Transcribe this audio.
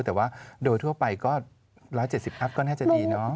แต่ว่าโดยทั่วไปก็๑๗๐อัพก็น่าจะดีเนาะ